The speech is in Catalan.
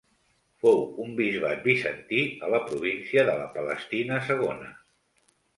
Fou un bisbat bizantí a la província de la Palestina Segona.